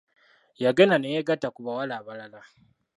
Yagenda ne yeegatta ku bawala abalala.